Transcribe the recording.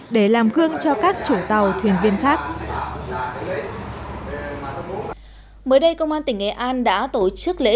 để làm gương cho các chủ tàu thuyền viên khác mới đây công an tỉnh nghệ an đã tổ chức lễ